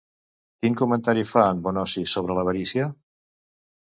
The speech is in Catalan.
Quin comentari fa en Bonosi sobre l'avarícia?